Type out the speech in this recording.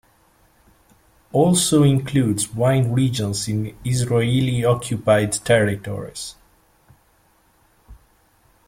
Also includes wine regions in Israeli-occupied territories.